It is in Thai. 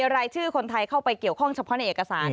รายชื่อคนไทยเข้าไปเกี่ยวข้องเฉพาะในเอกสาร